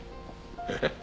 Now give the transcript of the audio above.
えっ？